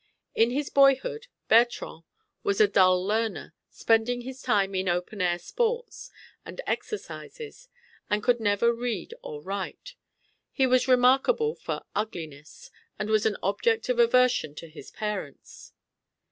In his boyhood Bertrand was a dull learner, spending his time in open air sports and exercises, and could never read or write. He was remarkable for ugliness, and was an object of aversion to his parents.